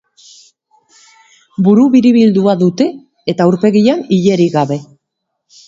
Buru biribildua dute eta aurpegian ilerik gabe.